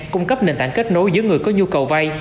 cung cấp nền tảng kết nối giữa người có nhu cầu vay